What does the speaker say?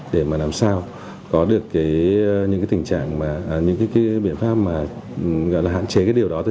để mà làm sao có được những tình trạng mà những cái biện pháp mà gọi là hạn chế cái điều đó